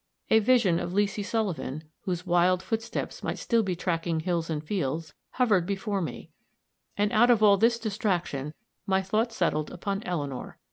A vision of Leesy Sullivan, whose wild footsteps might still be tracking hills and fields, hovered before me and out of all this distraction, my thoughts settled upon Eleanor.